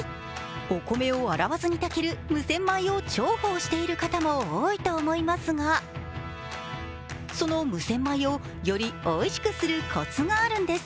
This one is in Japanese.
お米を洗わずに炊ける無洗米を重宝している方も多いと思いますがその無洗米をよりおいしくするコツがあるんです。